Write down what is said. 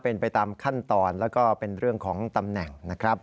เป็นไปตามขั้นตอนแล้วก็เป็นเรื่องของตำแหน่งนะครับ